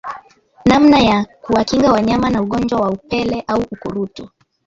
Namna ya kuwakinga wanyama na ugonjwa wa upele au ukurutu